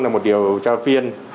là một điều tra viên